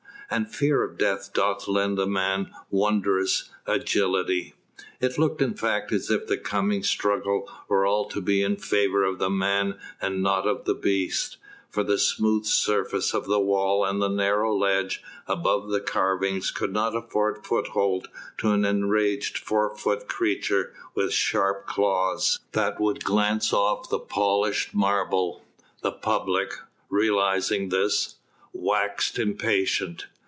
And fear of death doth lend a man wondrous agility. It looked in fact as if the coming struggle were all to be in favour of the man and not of the beast, for the smooth surface of the walls and the narrow ledge above the carvings could not afford foothold to an enraged four footed creature with sharp claws that would glance off the polished marble. The public realising this waxed impatient.